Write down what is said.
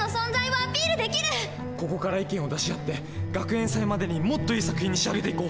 ここから意見を出し合って学園祭までにもっといい作品に仕上げていこう！